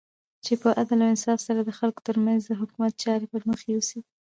چی په عدل او انصاف سره د خلګو ترمنځ د حکومت چاری پرمخ یوسی